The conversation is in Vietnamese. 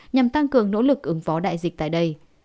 nhằm tăng cường nỗ lực ứng phó đại dịch tại đây